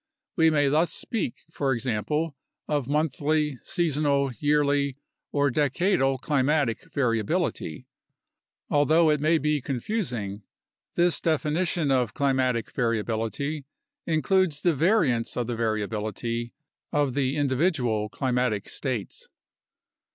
We may thus speak, for example, of monthly, seasonal, yearly, or decadal climatic variability. Although it may be confusing, this definition of climatic variability includes the variance of the variability of the individual climatic states.